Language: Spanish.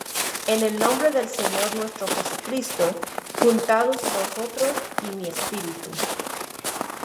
En el nombre del Señor nuestro Jesucristo, juntados vosotros y mi espíritu,